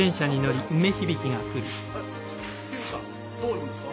響さんどこ行くんですか？